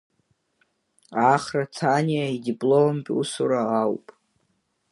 Ахра Ҭаниа идипломтә усура ауп.